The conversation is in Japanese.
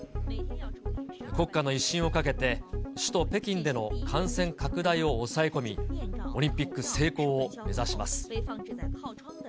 国家の威信をかけて、首都北京での感染拡大を抑え込み、オリンピック成功を目指します。